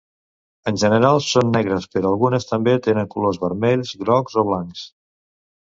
En general són negres però algunes també tenen colors vermells, grocs o blancs.